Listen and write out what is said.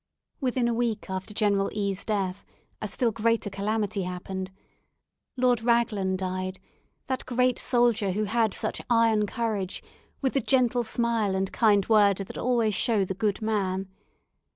Within a week after General E 's death, a still greater calamity happened. Lord Raglan died that great soldier who had such iron courage, with the gentle smile and kind word that always show the good man.